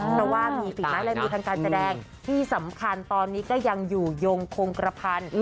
เพราะว่ามีฝีไม้ลายมือทางการแสดงที่สำคัญตอนนี้ก็ยังอยู่ยงคงกระพัน